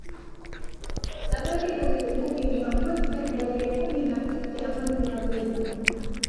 abari za asubuhi ni jumamosi ya tarehe kumi na tatu ya mwezi novemba